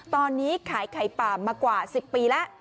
ตอนนี้ขายไข่ปามมากว่าสิบปีละ